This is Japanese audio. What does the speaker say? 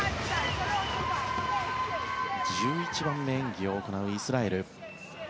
１１番目に演技を行うイスラエル。